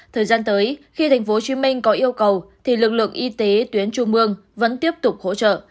thời gian tới khi tp hcm có yêu cầu thì lực lượng y tế tuyến trung mương vẫn tiếp tục hỗ trợ